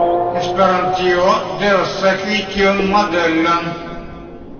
Esperantio devas sekvi tiun modelon.